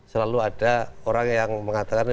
selalu ada orang yang mengatakan